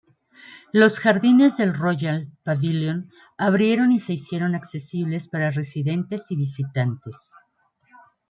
Los Jardines del Royal Pavilion abrieron y se hicieron accesibles para residentes y visitantes.